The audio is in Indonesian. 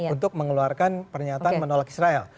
untuk mengeluarkan pernyataan menolak israel